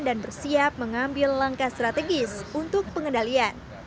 dan bersiap mengambil langkah strategis untuk pengendalian